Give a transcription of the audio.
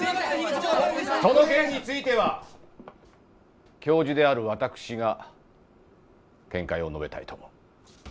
その件については教授である私が見解を述べたいと思う。